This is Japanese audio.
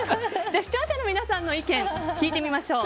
視聴者の皆さんの意見を聞いてみましょう。